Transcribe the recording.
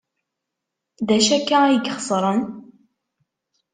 D acu akka ay ixeṣren?